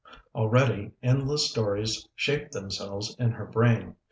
Already endless stories shaped themselves in her brain.